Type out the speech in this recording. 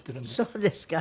そうですか。